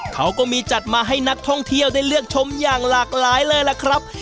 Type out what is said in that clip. เขาก็มีจัดมาให้นักท่องเที่ยวได้เลือกชมอย่างหลากหลายเลยล่ะครับ